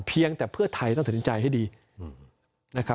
เพียงแต่เพื่อไทยต้องตัดสินใจให้ดีนะครับ